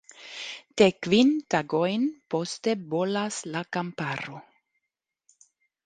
Dek kvin tagojn poste bolas la kamparo.